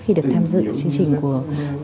khi được tham dự chương trình của